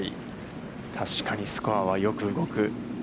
確かにスコアはよく動く。